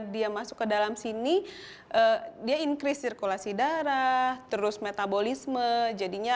dia masuk ke dalam sini dia increase sirkulasi darah terus metabolisme jadinya